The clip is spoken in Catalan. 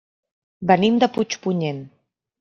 Venim de Puigpunyent.